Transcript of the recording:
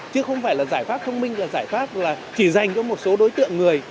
chứ không phải là giải pháp thông minh giải pháp chỉ dành cho một số đối tượng người